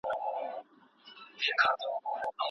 زده کړه انسان له غفلته ژغوري.